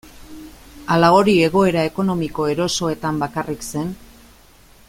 Ala hori egoera ekonomiko erosoetan bakarrik zen?